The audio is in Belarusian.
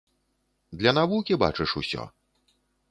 Для навукі, бачыш, усё.